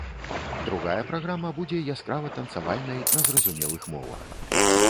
Другая праграма будзе яскрава-танцавальнай на зразумелых мовах.